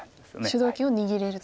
主導権を握れると。